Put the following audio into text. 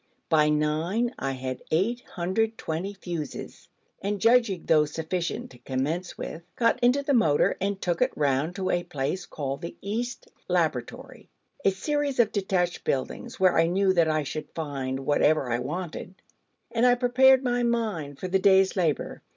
By nine I had 820 fuses; and judging those sufficient to commence with, got into the motor, and took it round to a place called the East Laboratory, a series of detached buildings, where I knew that I should find whatever I wanted: and I prepared my mind for a day's labour.